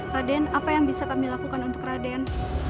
raden apa yang bisa kami lakukan untuk raden